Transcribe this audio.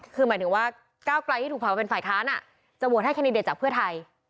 คือหมายถึงว่าก้าวไกลที่ถูกพามาเป็นฝ่ายค้านจะโปรดให้แคนนิเดชไทย